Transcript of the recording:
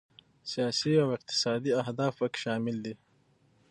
سیاسي او اقتصادي اهداف پکې شامل دي.